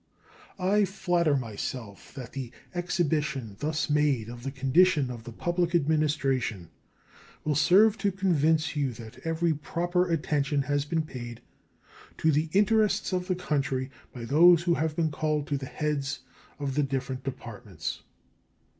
I flatter myself that the exhibition thus made of the condition of the public administration will serve to convince you that every proper attention has been paid to the interests of the country by those who have been called to the heads of the different Departments.